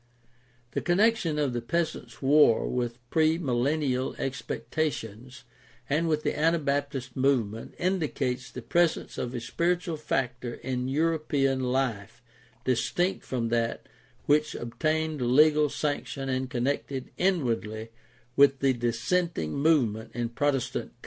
The connection of the Peasants' War with premillenial expectations and with the Anabaptist movement indicates the presence of a spiritual factor in European life distinct from that which obtained legal sanction and connected inwardly with the dissenting movement in Protestant countries.